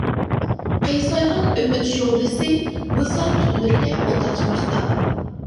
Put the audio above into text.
قىيسايغان ئۈمىد شولىسى، ۋىسال تۈنلىرىگە ئوت ئاچماقتا.